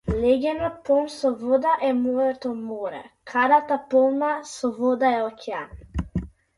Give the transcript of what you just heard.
Леѓенот полн со вода е моето море, кадата полна со вода е океан.